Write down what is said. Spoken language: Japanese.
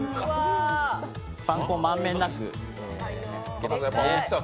パン粉を満遍なくつけます。